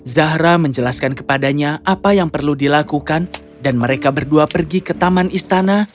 zahra menjelaskan kepadanya apa yang perlu dilakukan dan mereka berdua pergi ke taman istana